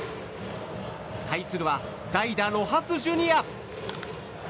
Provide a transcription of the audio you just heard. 対するは代打、ロハス・ジュニア。